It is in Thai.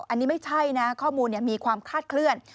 อันนี้ไม่ใช่นะข้อมูลมีความคาดเคลื่อน